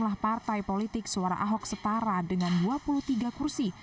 jumlah partai politik suara ahok setara dengan dua puluh tiga kursi